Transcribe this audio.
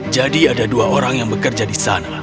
jadi ada dua orang yang bekerja di sana